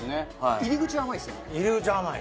入り口は甘い。